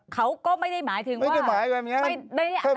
เขาก็ไม่ได้หมายถึงว่าไม่ได้อักติ